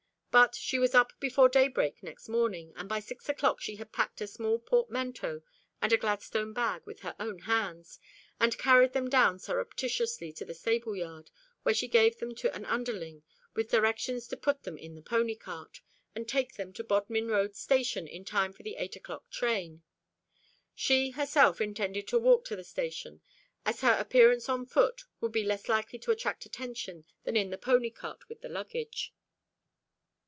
But she was up before daybreak next morning, and by six o'clock she had packed a small portmanteau and a Gladstone bag with her own hands, and carried them down surreptitiously to the stable yard, where she gave them to an underling, with directions to put them in the pony cart, and take them to Bodmin Road station in time for the eight o'clock train. She herself intended to walk to the station, as her appearance on foot would be less likely to attract attention than in the pony cart with the luggage.